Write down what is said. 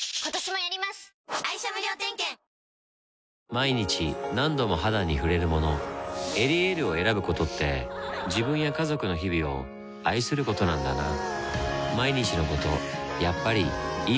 毎日何度も肌に触れるもの「エリエール」を選ぶことって自分や家族の日々を愛することなんだなぁ